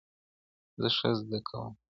زه ښه زده کوم.